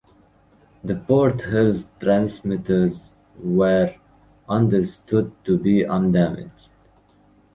The Port Hills transmitters were understood to be undamaged.